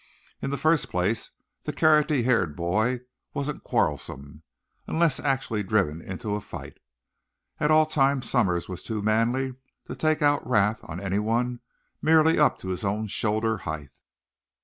In the first place, the carroty haired boy wasn't quarrelsome, unless actually driven into a fight. At all times Somers was too manly to take out wrath on anyone merely up to his own shoulder height.